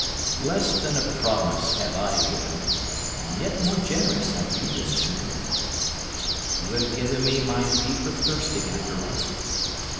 Less than a promise have I given, and yet more generous have you been to me. You have given me my deeper thirsting after life.